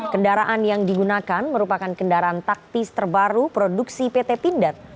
kendaraan yang digunakan merupakan kendaraan taktis terbaru produksi pt pindad